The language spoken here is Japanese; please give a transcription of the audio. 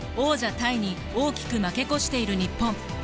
タイに大きく負け越している日本。